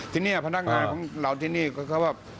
ที่นี่อ่ะพนักงานของเราที่นี่ก็ยังว่า